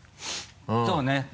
そうね。